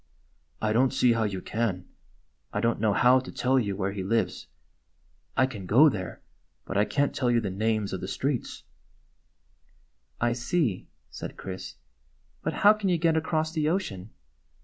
" I don't see how you can. I don't know how to tell you where he lives. I can go there, but I can't tell you the names of the streets." GYPSY, THE TALKING DOG " I see/' said Chris. " But how can you get across the ocean